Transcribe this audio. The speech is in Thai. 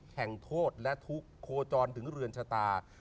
แห่งโทษและทุกข์โคจรถึงเรือนชะตา